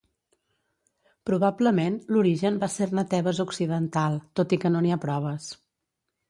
Probablement l'origen va ser-ne Tebes occidental, tot i que no n'hi ha proves.